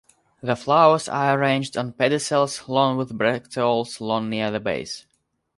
The flowers are arranged on pedicels long with bracteoles long near the base.